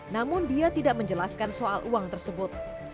namun dia tidak menjelaskan soal uang tersebut